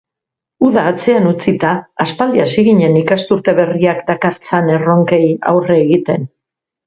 Uda atzean utzita, aspaldi hasi ginen ikasturte berriak dakartzan erronkei aurre egiten.